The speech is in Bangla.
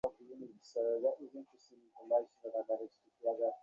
মনের ভিতরে যে একটা প্রকাণ্ড অনিচ্ছা হচ্ছিল তাকে অপরাধ বলে কুমু ভয় পেলে।